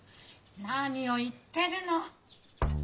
何を言ってるの！